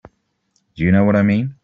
Do you know what I mean?